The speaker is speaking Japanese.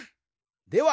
では